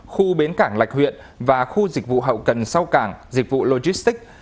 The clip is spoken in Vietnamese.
khu bến cảng lạch huyện và khu dịch vụ hậu cần sau cảng dịch vụ logistics